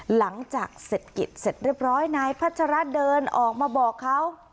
หลังจากเสร็จกิจเสร็จเรียบร้อยนายพัชระเดินออกมาบอกเขา